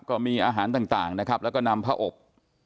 ก็มีอาหารต่างนะครับแล้วก็นำผ้าอบ